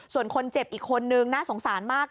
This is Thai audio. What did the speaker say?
ส่วนคนเจ็บอีกคนนึงน่าสงสารมาก